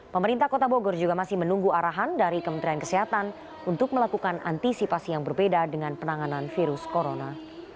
pemerintah kota bogor juga masih menunggu arahan dari kementerian kesehatan untuk melakukan antisipasi yang berbeda dengan penanganan virus corona